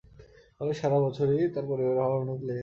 ফলে সারা বছরই তার পরিবারে অভাব অনটন লেগেই থাকে।